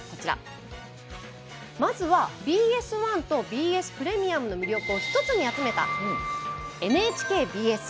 まずはＢＳ１とＢＳプレミアムの魅力を１つに集めたＮＨＫＢＳ。